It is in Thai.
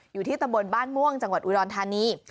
อยู่ที่ตำบลบ้านม่วงจังหวัดอุดรธานี